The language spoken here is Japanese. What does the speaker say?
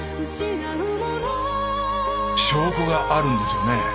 証拠があるんですよね？